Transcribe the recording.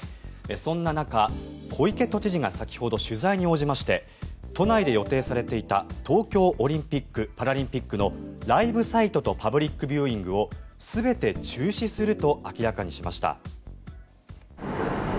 そんな中小池都知事が先ほど取材に応じまして都内で予定されていた東京オリンピック・パラリンピックのライブサイトとパブリックビューイングを全て中止すると明らかにしました。